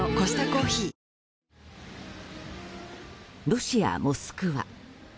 ロシア・モスクワ。